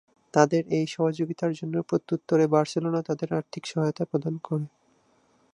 তাদের এই সহযোগিতার জন্য প্রত্যুত্তরে বার্সেলোনা তাদের আর্থিক সহায়তা প্রদান করে।